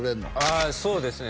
ああそうですね